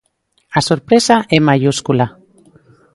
A sorpresa é maiúscula.